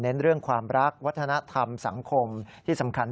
เรื่องความรักวัฒนธรรมสังคมที่สำคัญ